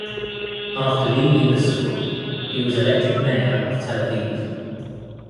After leaving the school, he was elected mayor of Tel Aviv.